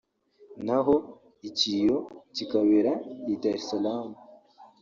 naho ikiliyo kikabera i Dar es Salaam